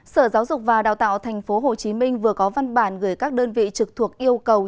sở giáo dục và đào tạo tp hcm vừa có văn bản gửi các đơn vị trực thuộc yêu cầu